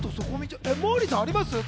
モーリーさんあります？